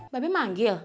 mbak be manggil